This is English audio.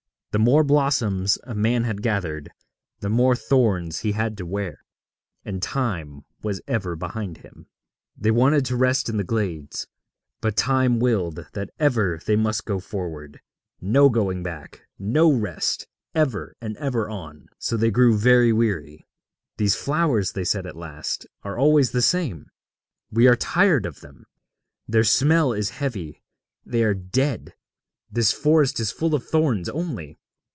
The more blossoms a man had gathered, the more thorns he had to wear, and Time was ever behind him. They wanted to rest in the glades, but Time willed that ever they must go forward; no going back, no rest, ever and ever on. So they grew very weary. 'These flowers,' they said at last, 'are always the same. We are tired of them; their smell is heavy; they are dead. This forest is full of thorns only.